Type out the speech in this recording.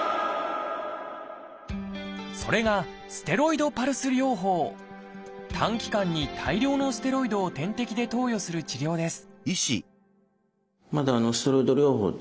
それが短期間に大量のステロイドを点滴で投与する治療です